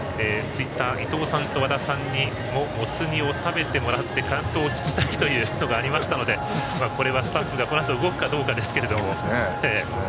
ツイッターでは伊東さんと和田さんにももつ煮を食べてもらって感想を聞きたいといただきましたのでこれはスタッフがこのあと動くかどうかですが。